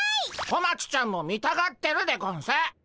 小町ちゃんも見たがってるでゴンス。